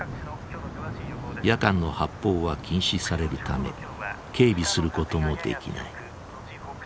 夜間の発砲は禁止されるため警備することもできない。